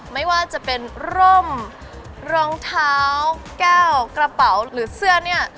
ไม่ว่าจะเป็นร่มรองเท้าแก้วกระเป๋าหรือเสื้อเนี่ย